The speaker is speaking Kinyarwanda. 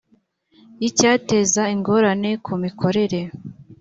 y icyateza ingorane ku mikorere